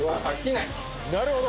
なるほど！